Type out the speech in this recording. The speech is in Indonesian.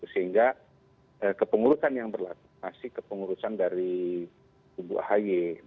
sehingga kepengurusan yang berlaku masih kepengurusan dari kubu ahy